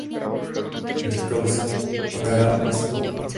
Říkalo se mu „hra na sklo“.